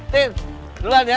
tin duluan ya